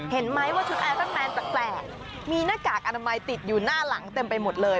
เห็นไหมว่าชุดไอรอนแมนแปลกมีหน้ากากอนามัยติดอยู่หน้าหลังเต็มไปหมดเลย